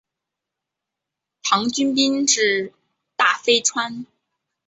唐军兵至大非川。